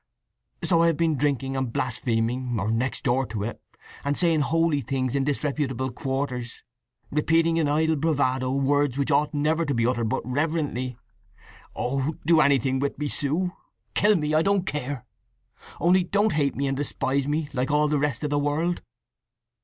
So I have been drinking, and blaspheming, or next door to it, and saying holy things in disreputable quarters—repeating in idle bravado words which ought never to be uttered but reverently! Oh, do anything with me, Sue—kill me—I don't care! Only don't hate me and despise me like all the rest of the world!"